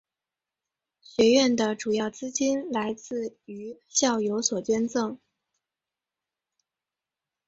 学院的主要资金来自于校友所捐赠。